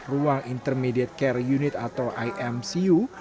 ruang intermediate care unit atau imcu